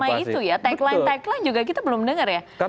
tagline tagline juga kita belum dengar ya